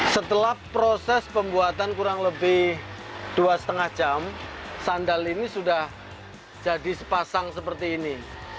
setelah proses pembuatan kurang lebih dua lima jam sandal ini sudah jadi sepasang seperti ini